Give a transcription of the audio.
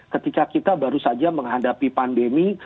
ketika kita baru saja menghadapi pandemi